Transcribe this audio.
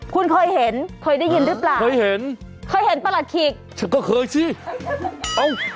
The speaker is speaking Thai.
คุณเคยเห็นเคยได้ยินหรือเปล่าเคยเห็นเคยเห็นประหลัดขีกฉันก็เคยสิเอ้า